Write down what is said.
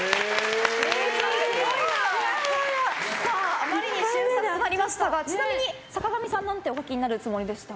あまりに瞬殺となりましたがちなみに、坂上さんは何てお書きになるつもりでした？